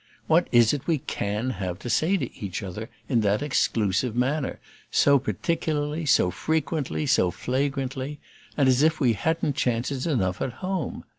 What is it we CAN have to say to each other, in that exclusive manner, so particularly, so frequently, so flagrantly, and as if we hadn't chances enough at home?